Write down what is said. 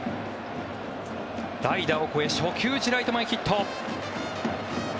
代打、オコエ、初球打ちライト前ヒット。